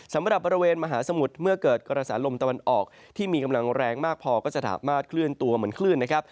สำหรับบริเวณมหาสมุทรเมื่อเกิดกระแสลมตะวันออกที่มีกำลังแรงมากพอก็จะสามารถเคลื่อนตัวเหมือนคลื่นนะครับ